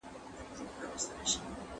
خوري غم دي د ورور وخوره هدیره له کومه راوړو.